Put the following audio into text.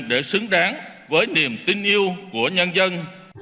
để xứng đáng với niềm tin yêu của nhân dân